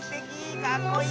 かっこいいッス！